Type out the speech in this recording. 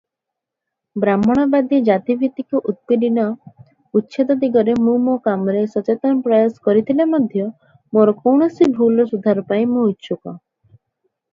ବ୍ରାହ୍ମଣବାଦୀ ଜାତିଭିତ୍ତିକ ଉତ୍ପୀଡ଼ନ ଉଚ୍ଛେଦ ଦିଗରେ ମୁଁ ମୋ କାମରେ ସଚେତନ ପ୍ରୟାସ କରିଥିଲେ ମଧ୍ୟ ମୋର କୌଣସି ଭୁଲର ସୁଧାର ପାଇଁ ମୁଁ ଇଚ୍ଛୁକ ।